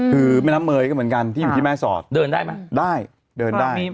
คือแม่น้ำเมยก็เหมือนกันที่อยู่ที่แม่สอดเดินได้ไหมได้เดินได้